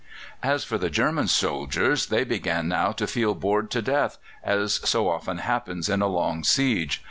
As for the German soldiers, they began now to feel bored to death, as so often happens in a long siege.